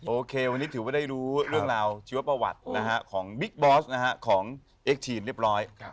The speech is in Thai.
โอเควันนี้ถือว่าได้รู้เรื่องราวชีวประวัติของบิ๊กบอสของเอ็กทีนเรียบร้อย